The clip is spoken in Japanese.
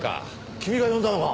君が呼んだのか？